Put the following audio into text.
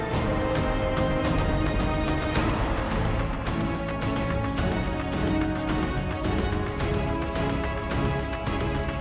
kenapa sama sama aja